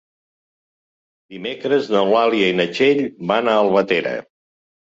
Dimecres n'Eulàlia i na Txell van a Albatera.